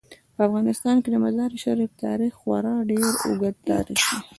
په افغانستان کې د مزارشریف تاریخ خورا ډیر اوږد تاریخ دی.